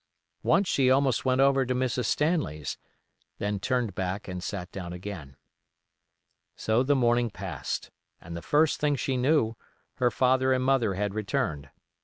Once she went over almost to Mrs. Stanley's, then turned back and sat down again. So the morning passed, and the first thing she knew, her father and mother had returned.